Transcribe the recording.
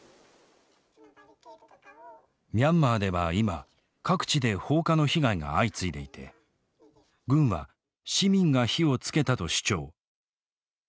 ミャンマーでは今各地で放火の被害が相次いでいて軍は「市民が火をつけた」と主張。